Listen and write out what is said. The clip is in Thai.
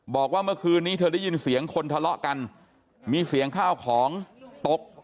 บอกว่าเมื่อคืนนี้เธอได้ยินเสียงคนทะเลาะกันมีเสียงข้าวของตก